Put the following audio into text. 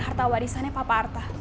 harta warisannya pak arta